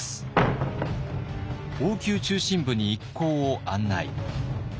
王宮中心部に一行を案内。